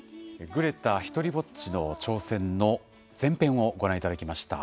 「グレタひとりぼっちの挑戦」の前編をご覧いただきました。